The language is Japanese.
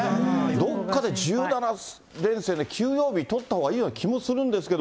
どっかで１７連戦で休養日取ったほうがいいような気もするんですけど。